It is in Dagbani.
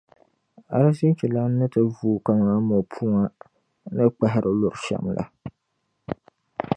arzichilana ni ti vuui kaman mɔpuma ni kpahiri luri shɛm la.